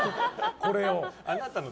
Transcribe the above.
これを。